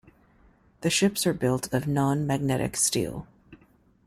The ships are built of non-magnetic steel.